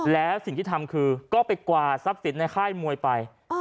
แล้วสิ่งที่ทำคือก็ไปกวาซับสิทธิ์ในค่ายมวยไป